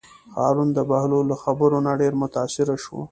هارون د بهلول له خبرو نه ډېر متأثره شو.